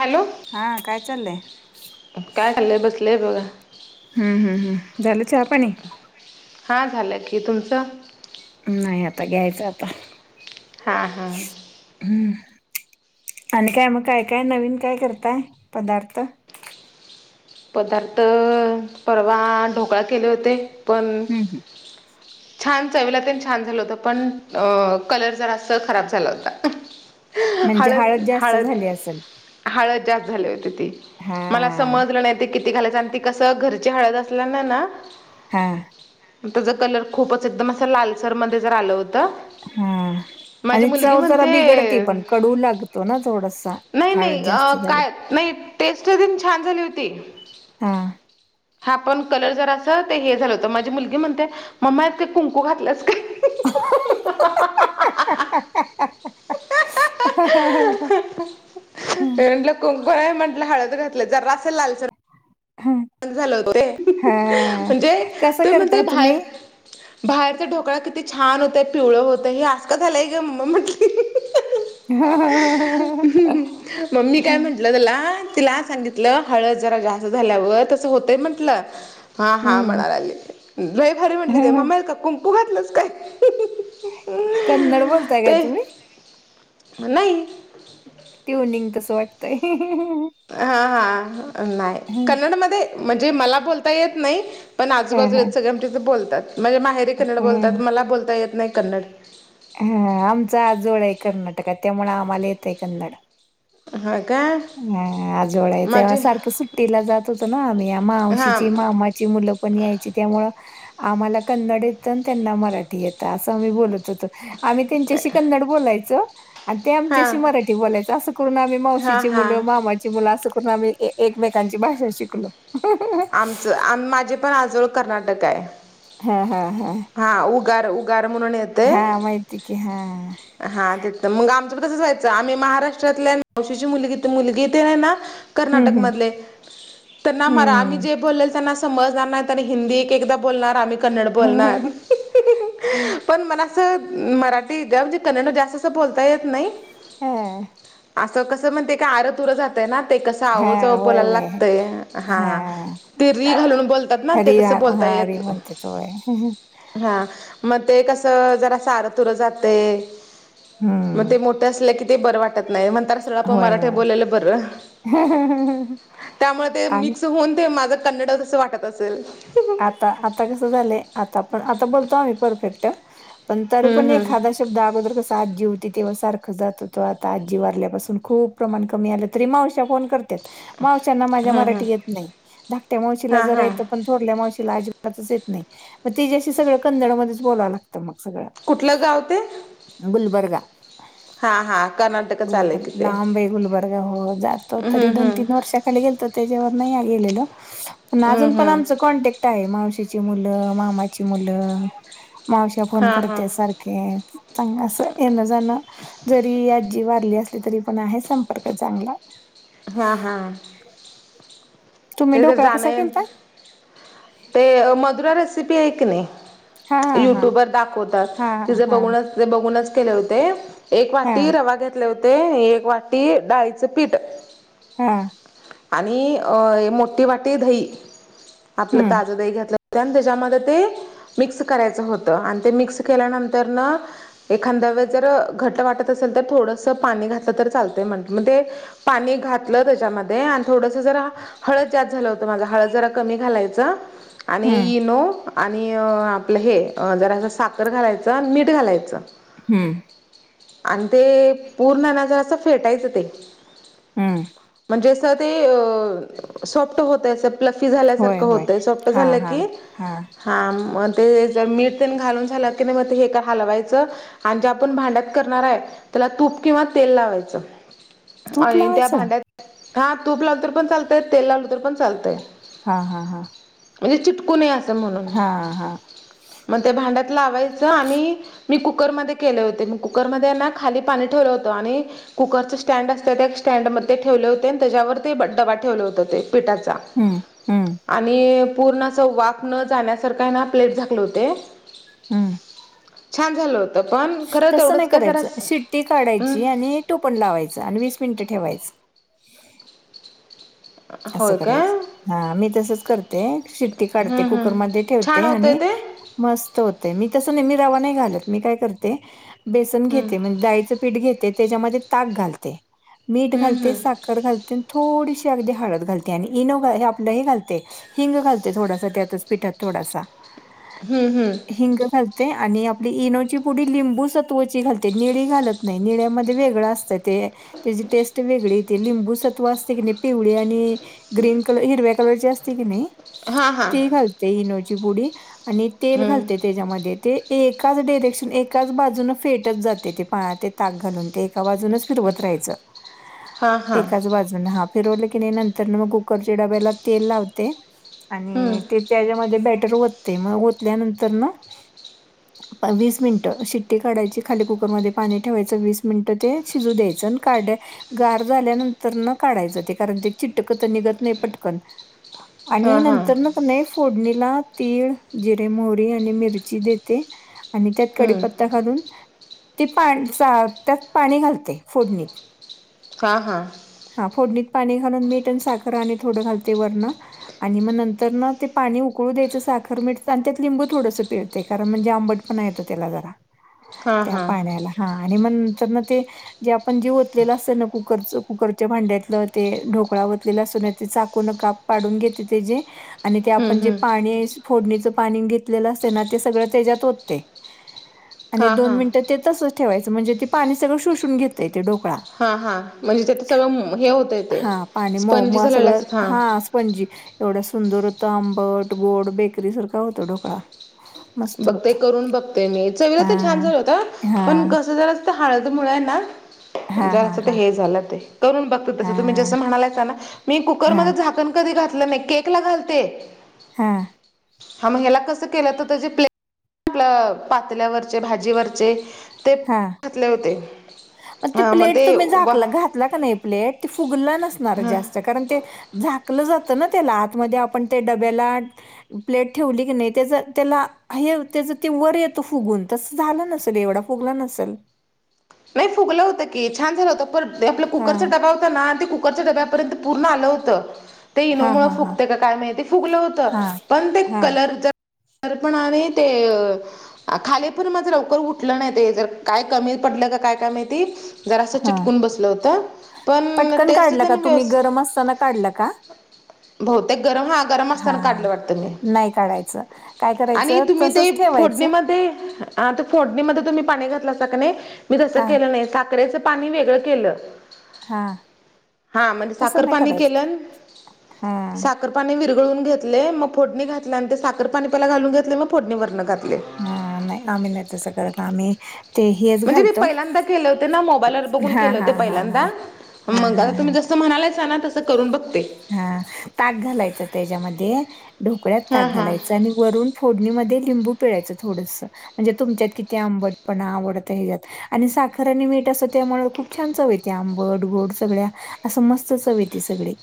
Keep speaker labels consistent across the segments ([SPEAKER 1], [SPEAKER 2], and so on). [SPEAKER 1] Hello
[SPEAKER 2] हा, काय चाललंयं?
[SPEAKER 1] काय [unintelligible] बसले बघा.
[SPEAKER 2] ह ह ह झालं चहा, पाणी?
[SPEAKER 1] हा झालं की, तुमचं?
[SPEAKER 2] नाही, आता घ्यायचं आता.
[SPEAKER 1] हा हा.
[SPEAKER 2] हम्म! आणि काय मग काय काय नवीन काय करताय, पदार्थ?
[SPEAKER 1] पदार्थ परवा ढोकळा केले होते, पण
[SPEAKER 2] हम्म हम्म
[SPEAKER 1] छान! चवीला तेन छान झालं होतं, पण कलर जरा असं खराब झाला होता.
[SPEAKER 2] म्हणजे, हळद जास्त झाली असेल?
[SPEAKER 1] हळद जास्त झाली होती, ती
[SPEAKER 2] हा
[SPEAKER 1] मला समजलं नाही. किती घालायच, आणि ते कसं घरची हळद असल्याने ना
[SPEAKER 2] हा.
[SPEAKER 1] त्याचा कलर खूपच एकदम असं लालसर मध्ये जर आलं होत.
[SPEAKER 2] हम्म. आणि चव जरा बिघडते
[SPEAKER 1] म्हणते
[SPEAKER 2] पण कडवू लागतो ना थोडासा
[SPEAKER 1] नाही नाही
[SPEAKER 2] खडात
[SPEAKER 1] अ,
[SPEAKER 2] जास्त झाले.
[SPEAKER 1] काय नाही टेस्ट दिन छान झाली होती.
[SPEAKER 2] हा.
[SPEAKER 1] हा पण कलर जर अस तर हे झालं होतं माझी मुलगी म्हणते. मम्मात ते कुंकू घातलंस का?
[SPEAKER 2] ह.
[SPEAKER 1] म्हट को कोणा म्हटलं हळद घातलं जर असल लालच. झा होत ते
[SPEAKER 2] हा
[SPEAKER 1] म्हणजे
[SPEAKER 2] कसं
[SPEAKER 1] ते म्हण ते
[SPEAKER 2] करताय तुम्ही
[SPEAKER 1] बाहेर बाहेरचा ढोकळा किती छान होत पिवळ होतं हे आसका झालंय ग म म्हटली.
[SPEAKER 2] हा हा ह ह.
[SPEAKER 1] मममी काय म्हंटलं त्याला तिला सांगितलं हळद जरा जास्त झाल्यावर म्ह म्ह
[SPEAKER 2] हम्म
[SPEAKER 1] म्ह. बुहातलंच काय?
[SPEAKER 2] कन्नड बोलताय काय
[SPEAKER 1] ते
[SPEAKER 2] तुम्ही?
[SPEAKER 1] नाही.
[SPEAKER 2] ट्यवनिंग तसं वाटतंय.
[SPEAKER 1] हा हा नाही
[SPEAKER 2] ह
[SPEAKER 1] कन्नडमध्ये म्हणजे मला बोलता येत नाही. पण
[SPEAKER 2] ह
[SPEAKER 1] आजूबाजूेत सगळे आम तथं बोलतात म्हणजे माहेरी कन्नड बोलतात
[SPEAKER 2] ह
[SPEAKER 1] मला बोलता येत नाही कन्नड.
[SPEAKER 2] हा आमचा जोड आहे कर्नाटक त्यामु आम्हाला येत आहे कन्नड.
[SPEAKER 1] ह.
[SPEAKER 2] हा आजोळ्याव्हा सारखं सुट्टीला जात होतं ना आम्ही
[SPEAKER 1] हां
[SPEAKER 2] मावशीची मामाची मुलं. पण यायची त्यामु आम्हाला कन्नड येत त्यांना मराठी येत. असं आम्ही बोलत होतो आम्ही त्यांच्याशी कन्नड बोलायचं. आणि ते
[SPEAKER 1] हां
[SPEAKER 2] आमच्याशी मराठी बोलायचं असं करून आम्ही मावशी
[SPEAKER 1] हां हां
[SPEAKER 2] मामाची मुलं असं करून आम्ही एकमेकांची भाषा शिकलो.
[SPEAKER 1] आमचं आम माझे पण आजवळ कर्नाटक आहे.
[SPEAKER 2] हा हा हा.
[SPEAKER 1] हा उगार उगार म्हणून येत.
[SPEAKER 2] हा माहिती की हा.
[SPEAKER 1] हा ते मग आमचं तसं जायचं आम्ही महाराष्ट्रातल्या नावशीची मुगी मुलगी येते ना ना.
[SPEAKER 2] हम्म
[SPEAKER 1] कर्नाटकमधले त्यांना मरा आम्ही
[SPEAKER 2] हम्म
[SPEAKER 1] ब त्यांना समजणार नाही हिंदी एकदा बोलणार आम्. क् ब
[SPEAKER 2] हम्म.
[SPEAKER 1] प म. ं मराठी ज म्हणजे कन्नड जास्त असं बोलता येत नाही.
[SPEAKER 2] हा.
[SPEAKER 1] असं कसं म्हणते का आरतुर जातय ना ते कसं
[SPEAKER 2] हा
[SPEAKER 1] आवजव
[SPEAKER 2] होय
[SPEAKER 1] बोलायला
[SPEAKER 2] होय
[SPEAKER 1] लागतंय हा. ते री घालून बोलतात ना ते
[SPEAKER 2] हरी हा
[SPEAKER 1] तसं बोलता
[SPEAKER 2] हा हरी
[SPEAKER 1] येत.
[SPEAKER 2] म्हणतेच होय.
[SPEAKER 1] हा मग ते कस जरा सारं तुर जाते मग
[SPEAKER 2] हम्म.
[SPEAKER 1] ते मोठ. अस की ते बरं वाटत नाही.
[SPEAKER 2] होय होय
[SPEAKER 1] ब.
[SPEAKER 2] आम्ही
[SPEAKER 1] ते माझं कन्नड तसं वाटत असेल.
[SPEAKER 2] आता आता कस झालंय आता पण आता बोलतो आम्ही परफेक्ट पण तरी पण
[SPEAKER 1] हम्म हम्म
[SPEAKER 2] खादा ब अगोदरच आजी होती तेव्हा सारखं जात होतं आता आजी वारल्यापासून खूप प्रमाण कमी आलं. मा मावश मा्या
[SPEAKER 1] हम्म हम्म
[SPEAKER 2] मराठी य नाही ्या मावशीला
[SPEAKER 1] हा
[SPEAKER 2] ज
[SPEAKER 1] हा
[SPEAKER 2] य. ोरल्या मावशीला अजिबातच येत नाही मग तेच्याशी सगळं कन्नड मध्येच बोलावं लागतं मग सगळं.
[SPEAKER 1] कुठलं गाव ते
[SPEAKER 2] गुलबर्गा
[SPEAKER 1] हा हा कर्नाटकच आलंय
[SPEAKER 2] गुलबर्ग
[SPEAKER 1] तिथे
[SPEAKER 2] लांब आहे गुलबर्ग हो जातो
[SPEAKER 1] हम्म
[SPEAKER 2] तरी दोन
[SPEAKER 1] हम्म
[SPEAKER 2] तीन वर्षा त्याे अण आ
[SPEAKER 1] हम्म हम्म
[SPEAKER 2] कॉन्टॅक्ट आहे मावशची मुलं मामाची मुलं मावश फोन
[SPEAKER 1] हा
[SPEAKER 2] करत
[SPEAKER 1] हा
[SPEAKER 2] सारख.... येण जाणं जरी आजी वाारली असली तरी..... आहे संपर्क चांगला....
[SPEAKER 1] हां हां...
[SPEAKER 2] तुम्ही
[SPEAKER 1] ते जर
[SPEAKER 2] ढोकळा कसा
[SPEAKER 1] जाणे
[SPEAKER 2] केलता
[SPEAKER 1] ते मधुरा रेसिपी आहे नाही....
[SPEAKER 2] हा हा हा
[SPEAKER 1] युट्यूबर दाखवतात
[SPEAKER 2] हा
[SPEAKER 1] तिचं
[SPEAKER 2] हा
[SPEAKER 1] बघूनच..... तिचं बघूनच केलं होतं एक
[SPEAKER 2] हा
[SPEAKER 1] वाटी रवा घेतला.... घले होते एक वाटी डाळीचं पीठ....
[SPEAKER 2] हा....
[SPEAKER 1] आणि मोठी वाटी दही आपलं
[SPEAKER 2] हम्म
[SPEAKER 1] ताज दही घरचं..... त्या त्याच्यामध्ये ते मिक्स करायचं होतं आणि ते मिक्स केल्यानंतर न...... एखाद्या वेळ जर घट वाटत असेल तर थोडंसं पाणी घातलं तर चालतय म्हण म्हणजे...... पाणी घातलं त्याच्यामध्ये आणि थोडस जरा..... हळद जास्त झालं होतं माझा हळद जरा कमी घालायचं आणि
[SPEAKER 2] हम्म
[SPEAKER 1] इनो..... आणि आपलं हे जरा असं साखर घालायचं मीठ घालायचं....
[SPEAKER 2] हम्म....
[SPEAKER 1] आणि ते पूर्ण नजार असं फेटायचं ते.....
[SPEAKER 2] हम्म....
[SPEAKER 1] म्हणजे अस ते सॉफ्ट होत आसेल.... ल्या
[SPEAKER 2] होय होय
[SPEAKER 1] होत
[SPEAKER 2] हा
[SPEAKER 1] झा
[SPEAKER 2] हा
[SPEAKER 1] क
[SPEAKER 2] हा
[SPEAKER 1] [unintelligible] हां मग ते जर मीठ तेनी घालून झालं की नाही मग ते हे हलवायचं.... आणि जे आपण भांड्यात करणार आहे त्याला तूप किंवा तेल लावायचं.....
[SPEAKER 2] तूप
[SPEAKER 1] आणि त्या
[SPEAKER 2] लावायचं
[SPEAKER 1] भांड्यात हा तूप लावल तर पण चालतय तेल लावल तर पण चालतय...
[SPEAKER 2] हा हा हा....
[SPEAKER 1] म्हणजे चिटकू नय असं म्हणून
[SPEAKER 2] हां.
[SPEAKER 1] मग त्या भांड्यात लावायचं आणि..... मी कुकरमध्ये केले होते म कुकरमध्ये ना खाली पाणी ठेवलं होतं आणि..... कुकरचं स्टँड असतं त्या स्टँड मध्ये ठेवले होते आणि त्याच्यावर ते डबा ठेवले होत ते पिठाचा.....
[SPEAKER 2] हं, हं,
[SPEAKER 1] आणि पूर्ण असं वाफ न जाण्यासारखा आहे ना प्लेट झाकलं होते.....
[SPEAKER 2] हम....
[SPEAKER 1] छान झालं होत पण खरं
[SPEAKER 2] तसं
[SPEAKER 1] एवढंच
[SPEAKER 2] नाही
[SPEAKER 1] काय
[SPEAKER 2] करायचं.
[SPEAKER 1] करायचे
[SPEAKER 2] शिट्टी
[SPEAKER 1] ह्मम?
[SPEAKER 2] काढायची आणि टोपण लावायचे आणि वीस मिनिट ठेवायचं.....
[SPEAKER 1] होय काय?
[SPEAKER 2] हा मी तसच करते शिट्टी काढते
[SPEAKER 1] हम्म हम्म
[SPEAKER 2] कुकरमध्ये
[SPEAKER 1] छान
[SPEAKER 2] ठेवते
[SPEAKER 1] होतंय
[SPEAKER 2] आणि....
[SPEAKER 1] ते
[SPEAKER 2] मस्त होतय मी तसं नेहमी रवा नाही घालत मी काय करते बेसन
[SPEAKER 1] हम्म
[SPEAKER 2] घेते म्हणजे डाळीचे? पीठ घेते त्याच्यामध्ये ताक घालते मीठ
[SPEAKER 1] हम्म
[SPEAKER 2] घालते
[SPEAKER 1] हम्म
[SPEAKER 2] साखर घालते थोडीशी अगदी हळद..... घालते आणि इनो आपलंही घालते हिंग घालते थोडासा त्यातच पीठात थोडासा.....
[SPEAKER 1] हम्म हम्म....
[SPEAKER 2] हिंग घालते आणि आपली इनोची पुडी लिंबू सत्वाची घालते निळी घालत..... नाही निळ्यामध्ये वेगळं असतय.... त्याची टेस्ट वेगळी येते लिंबू सत्व असते की नाही पिवळे आणि..... ग्रीन कलर हिरव्या कलर असते की नाही
[SPEAKER 1] हां हां
[SPEAKER 2] ती घालते इनोची पुडी.... आणि तेल
[SPEAKER 1] हम्म
[SPEAKER 2] घालते त्याच्यामध्ये.... ते एकाच डायरेक्शन एकाच बाजून फेटत जाते ते पाण्यात ते ताक घालून..... एकाजून फिरवत राय
[SPEAKER 1] हां हां
[SPEAKER 2] एका बाजून हा फिर की नाही.... तर मग कुकरच्या डब्याला तेल लावते
[SPEAKER 1] हम्म
[SPEAKER 2] आणि ते.... त्याच्यामध्ये बेटर ओतते मग ओतल्या नंतर ने..... वीस मिनिटं शिट्टी काढयची खाली कुकरमध्ये पाणी ठेवायचं वीस मिनिटं ते शिजू द्यायचं आणि काढ्या..... गार झाल्यानंतर न काढायचं ते कारण ते..... चिटक तर निघत नाही पटकन आणि
[SPEAKER 1] हां हां
[SPEAKER 2] नंतर.... प नाही फोडणीला तीळ जिरे मोरी आणि मिरची देते.... आणि त्यात
[SPEAKER 1] हम्म
[SPEAKER 2] कडीीपत्ता घालून ते पा त्यात पाणी घालते फोडणीत
[SPEAKER 1] हा हा
[SPEAKER 2] हा फोडणीत पाणी घालून मीठण साखर आणि थोडं घालते वरण आणि मग नंतर ना ते पाणी उकळू द्यायचं साखर मिरचं आणि त्यात लिंबू थोडंसं पिरते कारण म्हणजे आंबट पण येतो त्याला जरा
[SPEAKER 1] हां
[SPEAKER 2] त्या
[SPEAKER 1] हां
[SPEAKER 2] पाण्याला हा आणि मंतर ना ते जे आपण जी तलेलं असतं ना कुठ कुकरच कुकरच्या भांड्यातलं ते ढोकळा वतलेला असून ते चाकूनकाप पाडून घेते ते जे आणि ते
[SPEAKER 1] हम्म
[SPEAKER 2] आपण जे
[SPEAKER 1] हम्म
[SPEAKER 2] पाणी फोडणीचं पाणी घेतलेलं असते ना ते सगळं त्याच्यात होतते आणि
[SPEAKER 1] हां
[SPEAKER 2] दोन
[SPEAKER 1] हां
[SPEAKER 2] मिनिटं ते तसंच ठेवायचं म्हणजे ती पाणी सगळं शोषून घेतता येते डोकळा
[SPEAKER 1] हा हा म्हणजे त्याच सगळं हे हो
[SPEAKER 2] हा पाणी म मग सगळं हा पणजी एवढ्या सुंदर हो त आंबट गोड बेकरी सारखा होत ढोकळा मस्त
[SPEAKER 1] बघते
[SPEAKER 2] होतो.
[SPEAKER 1] करून बघते मी चवीला तर छान
[SPEAKER 2] हां,
[SPEAKER 1] झाल होत पण
[SPEAKER 2] हां,
[SPEAKER 1] कसं झालं तर हळद मुळ आहे ना
[SPEAKER 2] हां, हां,
[SPEAKER 1] जरा
[SPEAKER 2] हां,
[SPEAKER 1] हे झालं ते करून बघत तस तुम्ही
[SPEAKER 2] हां.
[SPEAKER 1] जसं म्हणाला ना मी
[SPEAKER 2] हा
[SPEAKER 1] कुकरमध्ये झाकण कधी घातलं नाही केक ला घालते
[SPEAKER 2] हा
[SPEAKER 1] क के आपल्या पातल्यावरचे भाजीवरचे ते
[SPEAKER 2] हा
[SPEAKER 1] घातले होते
[SPEAKER 2] मग त
[SPEAKER 1] हा
[SPEAKER 2] प्लेट
[SPEAKER 1] ते
[SPEAKER 2] तुम्ही झाक
[SPEAKER 1] वा
[SPEAKER 2] घातला का नाही प्लेट त फुगलं नसणार
[SPEAKER 1] ह
[SPEAKER 2] जास्त कारण ते झाकलं जात ना त्याला आतमध्ये आपण त्या डब्याला प्लेट ठेवली की नाही त्याच त्याला हे त्याच ते वर येतं फुगून तस झालं नसल एवढं पुगला नसेल
[SPEAKER 1] नाही फुगलं होतं की छान झालं होतं पण आपला
[SPEAKER 2] हा
[SPEAKER 1] कुकरचा डबा होता ना ते कुकरच्या डब्या पूर्ण आलं होतं ते इनो
[SPEAKER 2] हा
[SPEAKER 1] मुळ
[SPEAKER 2] हा हा
[SPEAKER 1] फुकते का काय माहि फुगलं होत
[SPEAKER 2] हा
[SPEAKER 1] पण ते
[SPEAKER 2] हा
[SPEAKER 1] कलर जर अर्पण आहे ते अ खाली पण माझं लवकर उठलं नाही ते जर काय कमी पडलं का काय कमीती जरा असं
[SPEAKER 2] हा
[SPEAKER 1] चिटकून बसलं होत पण
[SPEAKER 2] पटकन
[SPEAKER 1] टेस्ट
[SPEAKER 2] काढला
[SPEAKER 1] त्या
[SPEAKER 2] का
[SPEAKER 1] ना
[SPEAKER 2] तुम्ही
[SPEAKER 1] व्यवस्
[SPEAKER 2] गरम असताना काढला का
[SPEAKER 1] बहतेक गरम हा गरम
[SPEAKER 2] हा
[SPEAKER 1] असताना काढलं वाटत मी
[SPEAKER 2] नाही काढायचं काय
[SPEAKER 1] आणि
[SPEAKER 2] करायचं
[SPEAKER 1] तुम्ही ते
[SPEAKER 2] तसंच ठेवायचं
[SPEAKER 1] फोडणीमध्ये फोडणीमध्ये तुम्ही पाणी घातला सग नाही मी तसं
[SPEAKER 2] हा
[SPEAKER 1] केलं नाही साखर्याचं पाणी वेगळं केलं
[SPEAKER 2] हा
[SPEAKER 1] हा म्हणजे
[SPEAKER 2] तसं
[SPEAKER 1] साखर
[SPEAKER 2] नाही
[SPEAKER 1] पाणी
[SPEAKER 2] करायचं
[SPEAKER 1] केलं
[SPEAKER 2] हा
[SPEAKER 1] साखरपाणी विरगळून घेतले मग फोडणी घातले आणि ते साखरपाणी पला घालून घेतले मग फोडणीवरनं घातले
[SPEAKER 2] अ नाही आम्ही नाही तसं करत आम्ही ते हेच
[SPEAKER 1] म्हणजे मी
[SPEAKER 2] घालतो
[SPEAKER 1] पहिल्यांदा केले होते ना मोबाईलवर बघून
[SPEAKER 2] हा
[SPEAKER 1] केले
[SPEAKER 2] हा
[SPEAKER 1] होते
[SPEAKER 2] हा हा
[SPEAKER 1] पहिल्यांदा
[SPEAKER 2] हा
[SPEAKER 1] मग
[SPEAKER 2] हा हा
[SPEAKER 1] आताम् म्हणालायच ना तसं करून बघते
[SPEAKER 2] हा ताक घालायचं त्याच्यामध्ये ढोकळ्यात
[SPEAKER 1] हा
[SPEAKER 2] ताक
[SPEAKER 1] हा
[SPEAKER 2] घालायचं आणि वरून फोडणीमध्ये लिंबू पिळायचं थोडस म्हणजे तुमच्यात किती आंबटपणा आवडत हच्यात आणि साखर आणि मीठ असं त्यामुळे खूप छान चवयेत आंबट गोड सगळ्या असं मस्तच हवी त सगळे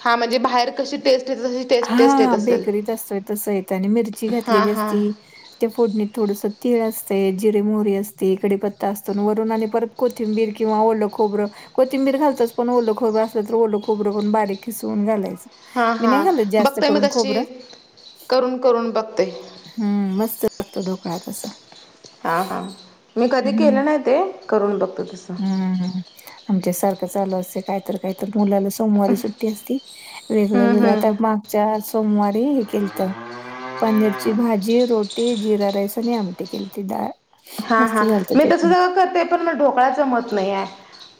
[SPEAKER 1] हा म्हणजे बाहेर कशी टेस्ट येत तशी टेस्ट टेस्ट येत
[SPEAKER 2] हां,
[SPEAKER 1] असेल
[SPEAKER 2] बेकरीत असतोय तसं ने मिरची
[SPEAKER 1] हां
[SPEAKER 2] घातलेली
[SPEAKER 1] हां
[SPEAKER 2] असती त्या फोडणीत थोडस तीळ असतते जिरीे मोहरी असते इकडे पत्ता असतो वरून आले परत कोथिंबर किंवा ओलं खोरं कोथिंबीर घालतच पण ओलं खोबरं असलं तर ओलं खोबरं बारीक खिसवून घालायच
[SPEAKER 1] हां हां बघत आहे मग तशी करून करून बघते आहे
[SPEAKER 2] हम्म मस्त लागतो ढोकळा तस
[SPEAKER 1] हा हां मी कधी केलं नाही ते करून बघतो तसं
[SPEAKER 2] हम्म आमच्या सारखं चालू असतं... काहीतर काहीतर मुलाला सोमवारी सुट्टी असती. वेगळं
[SPEAKER 1] हम्म
[SPEAKER 2] वेगळं...
[SPEAKER 1] हम्म
[SPEAKER 2] आता मागच्या सोमवारी हे केलतं पनीरची भाजी, रोटी, जिरा राईस आणि आमटी केलती डाळ
[SPEAKER 1] हा
[SPEAKER 2] मस्त
[SPEAKER 1] हा...
[SPEAKER 2] झालत
[SPEAKER 1] मी
[SPEAKER 2] ते
[SPEAKER 1] तर
[SPEAKER 2] पण
[SPEAKER 1] सगळं करते, पण मला ढोकळा जमत नाहीये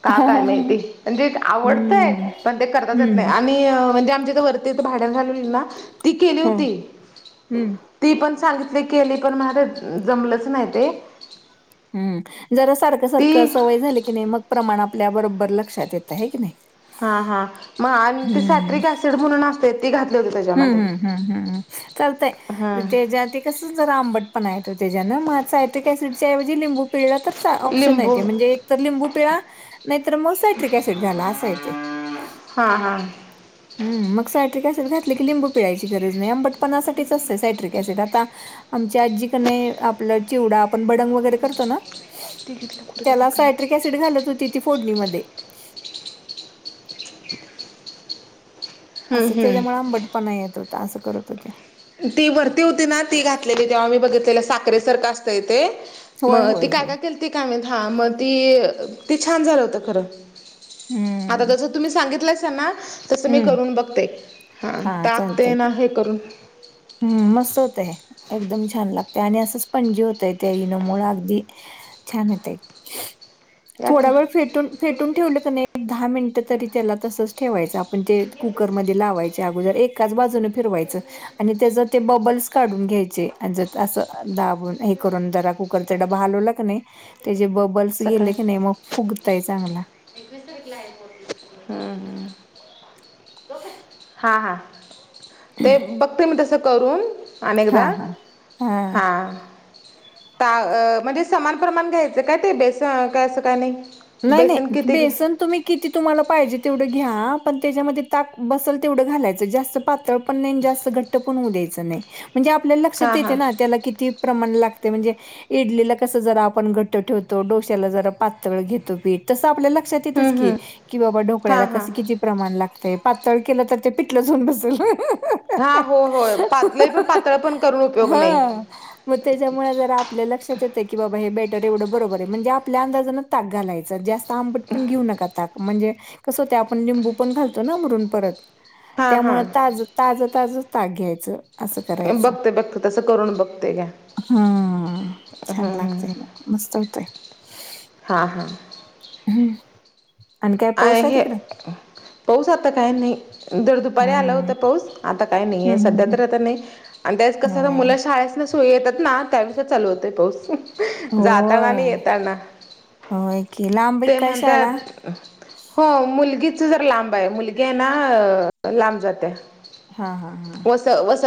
[SPEAKER 1] का काय माहिती? म्हणजे... आवडतंय,
[SPEAKER 2] हम्म
[SPEAKER 1] पण ते करताच येत
[SPEAKER 2] हम्म
[SPEAKER 1] नाही मी... म्हणजे आमच्या इथं वरती भाड्यानं राहतात ना, ती केली
[SPEAKER 2] हो
[SPEAKER 1] होती
[SPEAKER 2] हम्म
[SPEAKER 1] ती पण सांगितली केली... पण माझं जमलंच नाही ते
[SPEAKER 2] हम्म... जरा सारखं
[SPEAKER 1] ती
[SPEAKER 2] सारखं सवय झाली की नाई, मग प्रमाण आपल्या बरोबर लक्षात येतं, है की नाई?
[SPEAKER 1] हा... हा. मग अन ती सॅट्रिक ऍसिड म्हणून असतंय ती घातली होती त्याच्यात
[SPEAKER 2] हुं.. हुं.. हुंहुं
[SPEAKER 1] हा
[SPEAKER 2] चालतंय ते ज्या [unintelligible] कसं जरा आंबटपणा येतो त्याच्यानं, मग सायट्रिक ॲसिड च्याऐवजी लिंबू पिळला तर ऑप्शन एक
[SPEAKER 1] लिंबू
[SPEAKER 2] है, म्हणजे एक तर लिंबू पिळा नाहीतर मग, सायट्रिक ऍसिड घाला असं ए ते
[SPEAKER 1] हा हा
[SPEAKER 2] हम्म... मग सायट्रिक ऍसिड घातले की लिंबू पिळायची गरज नाही. आंबटपणासाठीच असतं सायट्रिक ऍसिड आता आमची आजी की नाई, आपलं चिवडा.. आपण बडंग वगैरे करतो ना त्याला सायट्रिक ॲसिड घालत होती ती फोडणीमध्ये
[SPEAKER 1] हम्म
[SPEAKER 2] असं
[SPEAKER 1] हम्म
[SPEAKER 2] त्याच्यामुळे आंबटपणा येत होता, असं करत होती
[SPEAKER 1] ती वरती होती ना... ती घातलेली, तेव्हा मी बघितलेलं साखरे सारखं असतंय ते
[SPEAKER 2] होय,
[SPEAKER 1] मग ती
[SPEAKER 2] होय,
[SPEAKER 1] काय
[SPEAKER 2] होय.
[SPEAKER 1] काय केलती... काय माहीत... हां मग ती... ती छान झालं होतं खरं आता
[SPEAKER 2] हं,
[SPEAKER 1] जसं तुम्ही सांगितलं असं ना, तसं मी
[SPEAKER 2] हं.
[SPEAKER 1] करून बघते हा...
[SPEAKER 2] हां,
[SPEAKER 1] टाकते
[SPEAKER 2] चालतंय की.
[SPEAKER 1] ना हे करून
[SPEAKER 2] हम्म... मस्त होतंय... एकदम छान लागतं आणि असंच स्पंजी होतंय त्या इनोमुळे अगदी छान ए [unintelligible]
[SPEAKER 1] या की
[SPEAKER 2] थोड्या वेळ फेटून... फेटून ठेवलं की नई... एक दहा मिनिटं तरी त्याला तसंच ठेवायचं आप ते कुकरमध्ये लावायचे अगोदर एकाच बाजूनं फिरवायचं आणि त्याचं ते बबल्स काढून घ्यायचे... आणि जसा दाबून... हे करून जरा कुकर ते डब्बा हालवला का नाई... त्याचे बबल्स गेले
[SPEAKER 1] सकाळी
[SPEAKER 2] की नई, मग फुगताय चांगला
[SPEAKER 1] [unintelligible] हा... ते बघते मी तसं करून आणि
[SPEAKER 2] हा
[SPEAKER 1] एकदा...
[SPEAKER 2] हा हा
[SPEAKER 1] हां ता म्हणजे... समान प्रमाण घ्यायचं काय ते, बेस... काय असं काय नाई
[SPEAKER 2] नाई नाई, बेसन तुम्ही किती तुम्हाला पाहिजे तीवढं घ्या... पण त्याच्यामध्ये ताक बसल तेवढं घालायचं... जास्त पातळ पण नई आणि जास्त घट्ट पण होऊ द्यायचं नाई... म्हणजे आपल्याला लक्षात
[SPEAKER 1] हां हां
[SPEAKER 2] येतं ना त्याला किती प्रमाण लागतं. म्हणजे इडलीला कसं, जरा आपण घट्ट ठेवतो, डोश्याला जरा पातळ घेतो पीठ तसं आपल्या लक्षात येतंच की, की बाबा ढोकळ्याला
[SPEAKER 1] हां हां
[SPEAKER 2] कसं.. किती प्रमाण लागतंय... पातळ केलं तर, ते पिठलंच होऊन बसल
[SPEAKER 1] हा... हो हो, लई पण... पातळ पण, करून उपयोग नाई
[SPEAKER 2] हां. मग त्याच्यामुळे जरा आपल्या लक्षात येतं की, बाबा हे बेटर एवढं बरोबर ए... म्हणजे आपल्या अंदाजनेच ताक घालायचं जास्त आंबट पण घेऊ नका ताक... म्हणजे कसं होतंय आपण लिंबू पण घालतो ना... वरून परत
[SPEAKER 1] हा हा
[SPEAKER 2] त्यामुळं ताजं ताजं, ताजंच ताक घ्यायचं असं करायचं.
[SPEAKER 1] बघते... बघते... तसं करून बघते [unintelligible]
[SPEAKER 2] हम्म...
[SPEAKER 1] हम्म
[SPEAKER 2] छान
[SPEAKER 1] हम्म
[SPEAKER 2] लागतंय मग मस्त होतंय
[SPEAKER 1] हा हा
[SPEAKER 2] हुं, अन काय
[SPEAKER 1] आ
[SPEAKER 2] पाऊस हाय
[SPEAKER 1] हे
[SPEAKER 2] तिकडं
[SPEAKER 1] पाऊस आता काय नाई... दर दुपारी आला
[SPEAKER 2] हं.
[SPEAKER 1] होता पाऊस आता काय नाई है...
[SPEAKER 2] हं, हं,
[SPEAKER 1] सध्या तर
[SPEAKER 2] हं.
[SPEAKER 1] आता नाई आणि त्यात कसं तर
[SPEAKER 2] होय.
[SPEAKER 1] मुलं शाळेतनं.. सु... येतात ना त्या वेळेसच चालू होतंय पाऊस जाताना आणि
[SPEAKER 2] होय.
[SPEAKER 1] येताना...
[SPEAKER 2] होय की. लांब आहे
[SPEAKER 1] ते
[SPEAKER 2] काय शाळा?
[SPEAKER 1] म्हणतात हो... मुलगीचं जरा लांब ए... मुलगी ए ना लांब जाते
[SPEAKER 2] हा हा हा
[SPEAKER 1] वसत